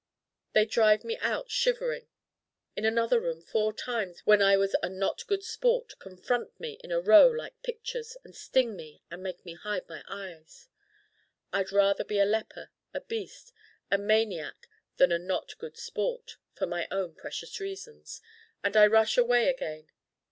They drive me out shivering. In another Room four times when I was a not good sport confront me in a row like pictures and sting me and make me hide my eyes: I'd rather be a leper, a beast, a maniac than a not good sport (for my own precious reasons) and I rush away again.